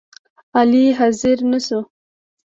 علي حاضر نشو